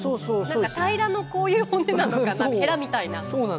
何か平らのこういう骨なのかなヘラみたいな。